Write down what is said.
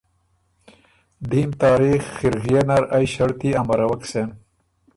دیم تاریخ خِرغئے نر ائ ݭړطی امروَک سېن۔